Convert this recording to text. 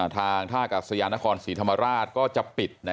ทางท่ากัศยานครศรีธรรมราชก็จะปิด